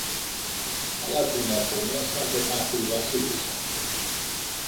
Καλά την έχομε σαν το μάθει η Βασίλισσα.